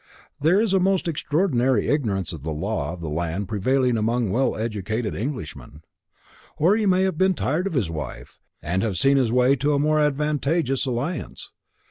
There is a most extraordinary ignorance of the law of the land prevailing among well educated Englishmen. Or he may have been tired of his wife, and have seen his way to a more advantageous alliance.